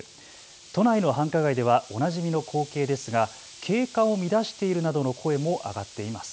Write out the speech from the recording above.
都内の繁華街ではおなじみの光景ですが景観を乱しているなどの声も上がっています。